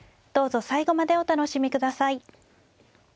どうぞ最後までお楽しみ下さい。